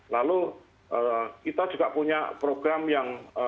lalu kita juga punya program yang